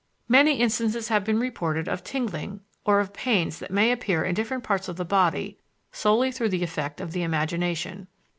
Many instances have been reported of tingling or of pains that may appear in different parts of the body solely through the effect of the imagination.